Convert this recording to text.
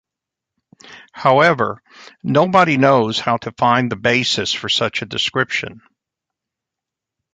However, nobody knows how to find the basis for such a description.